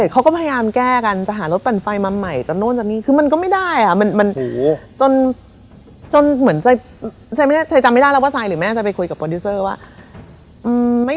ก็แบบหรือยังไงหรืออะไร